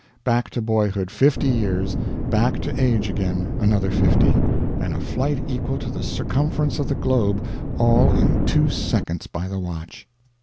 Back to boyhood fifty years; back to age again, another fifty; and a flight equal to the circumference of the globe all in two seconds by the watch!